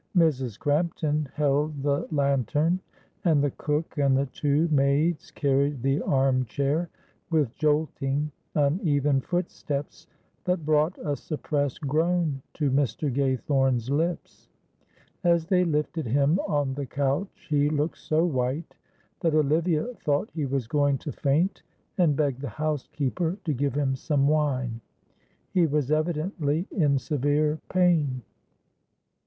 Mrs. Crampton held the lantern, and the cook and the two maids carried the arm chair, with jolting uneven footsteps, that brought a suppressed groan to Mr. Gaythorne's lips. As they lifted him on the couch he looked so white that Olivia thought he was going to faint, and begged the housekeeper to give him some wine; he was evidently in severe pain.